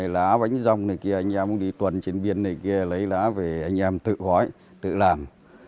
lá bánh rong này kia anh em cũng đi tuần trên biên này kia lấy lá về anh em tự hỏi tự làm